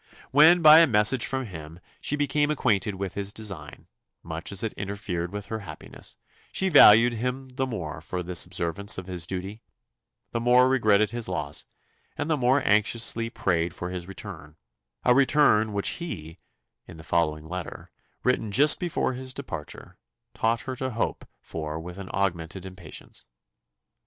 When, by a message from him, she became acquainted with his design, much as it interfered with her happiness, she valued him the more for this observance of his duty; the more regretted his loss, and the more anxiously prayed for his return a return which he, in the following letter, written just before his departure, taught her to hope for with augmented impatience.